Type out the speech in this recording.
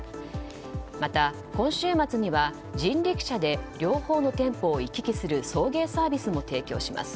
また、今週末には人力車で両方の店舗を行き来する送迎サービスも提供します。